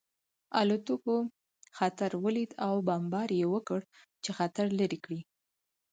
الوتکو خطر ولید او بمبار یې وکړ چې خطر لرې کړي